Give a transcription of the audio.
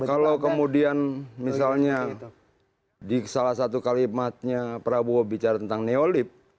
kalau kemudian misalnya di salah satu kalimatnya prabowo bicara tentang neolib